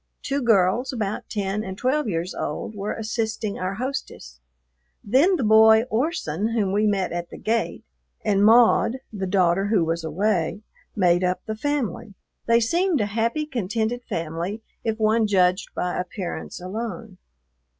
Two girls, about ten and twelve years old, were assisting our hostess; then the boy Orson, whom we met at the gate, and Maud, the daughter who was away, made up the family. They seemed a happy, contented family, if one judged by appearance alone.